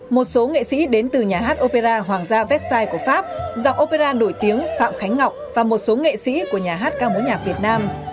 một số nghệ sĩ đến từ nhà hát opera hoàng gia versailles của pháp giọng opera nổi tiếng phạm khánh ngọc và một số nghệ sĩ của nhà hát cao mối nhạc việt nam